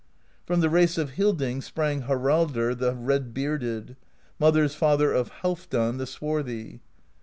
From the race of Hildings sprang Haraldr the Red Bearded, mother's father of Halfdan the Swarthy.